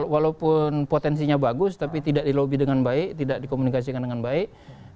walaupun potensinya bagus tapi tidak dilobby dengan baik tidak dikomunikasikan dengan baik